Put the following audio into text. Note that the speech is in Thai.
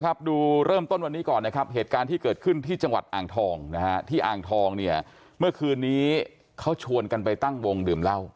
ดูเริ่มต้นวันนี้ก่อนนะครับเหตุการณ์ที่เกิดขึ้นที่จังหวัดอ่างทองนะฮะที่อ่างทองเนี่ยเมื่อคืนนี้เขาชวนกันไปตั้งวงดื่มเหล้า